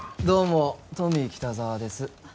どうもトミー北沢です。